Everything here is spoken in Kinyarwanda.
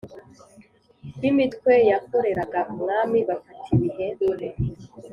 B imitwe yakoreraga umwami bafata ibihe